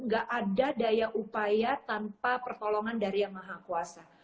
gak ada daya upaya tanpa pertolongan dari yang maha kuasa